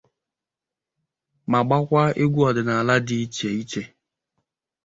ma gbakwa egwu ọdịnala dị icheiche.